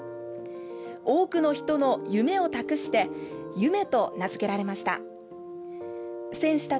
多くの人の夢を託して「ゆめ」と名付けられました。